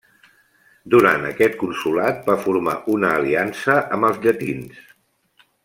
Durant aquest consolat va formar una aliança amb els llatins.